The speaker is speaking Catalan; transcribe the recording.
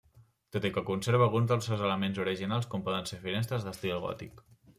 Tot i que conserva alguns dels seus elements originals com poden ser finestres d'estil gòtic.